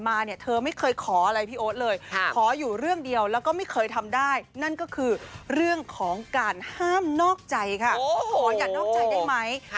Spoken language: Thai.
ไม่อยากมีแพชชนกับเขาตอนนี้